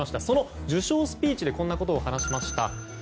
その受賞スピーチでこんなことを話しました。